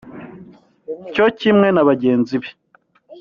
Cyo kimwe na bagenzi be